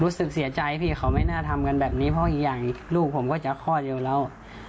รู้สึกเสียใจพี่เขาไม่น่าทำกันแบบนี้เพราะอีกอย่างลูกผมก็จะคลอดอยู่แล้ว